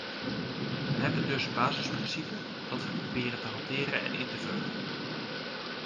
We hebben dus een basisprincipe, dat we proberen te hanteren en in te vullen.